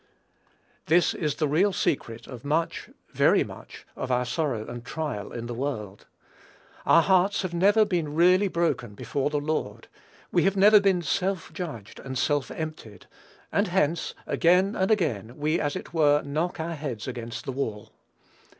This is the real secret of much, very much, of our sorrow and trial in the world. Our hearts have never been really broken before the Lord; we have never been self judged and self emptied; and hence, again and again, we, as it were, knock our heads against the wall.